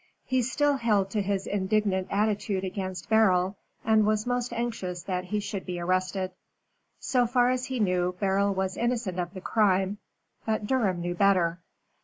He still held to his indignant attitude against Beryl, and was most anxious that he should be arrested. So far as he knew, Beryl was innocent of the crime; but Durham knew better.